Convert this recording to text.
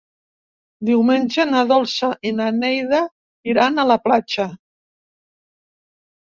Diumenge na Dolça i na Neida iran a la platja.